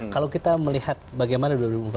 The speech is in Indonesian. kalau kita melihat bagaimana dua ribu empat belas